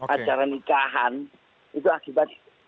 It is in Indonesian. acara nikahan itu akibat